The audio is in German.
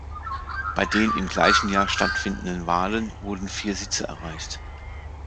Bei den im gleichen Jahr stattfindenden Wahlen wurden vier Sitze erreicht.